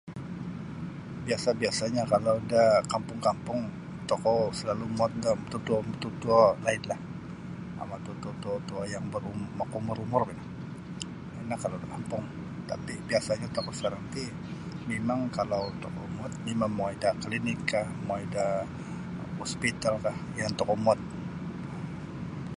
Biasa'-biasa'nyo kalau da kampung-kampung tokou salalu' muwot da mututuo mututuo laidlah um matutuo-matutuo yang bar makaumur-umur bino ino kalau da kampung tapi biasa'nya toku sakarang ti mimang kalau tokou muwot mimang mongoi da klinik kah mongoi da hospitalkah yan tokou muwot.